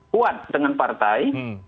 kuat dengan partai